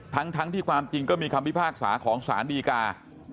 ทั้งที่ความจริงก็มีคำพิพากษาของสารดีกา